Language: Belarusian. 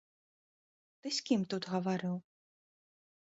Ты з кім тут гаварыў?